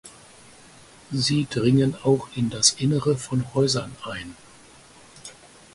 Sie dringen auch in das Innere von Häusern ein.